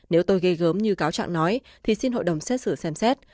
nếu tôi gây gớm như cáo chẳng nói thì xin hội đồng xét xử xem xét